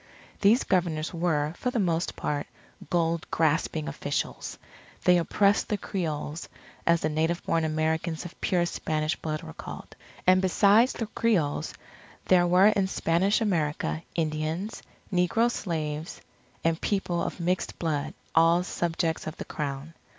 These Governors were, for the most part, gold grasping officials. They oppressed the Creoles, as the native born Americans of pure Spanish blood were called. And besides the Creoles, there were in Spanish America, Indians, negro slaves, and people of mixed blood, all subjects of the Crown.